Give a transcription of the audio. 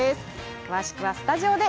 詳しくはスタジオで。